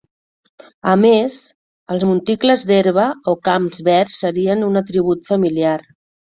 A més, els monticles d'herba o camps verds serien un atribut familiar.